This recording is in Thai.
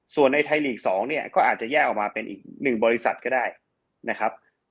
ส่วนในไทยลีก๒เนี่ยก็อาจจะแยกออกมาเป็นอีก๑บริษัทก็ได้นะครับ